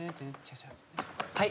はい。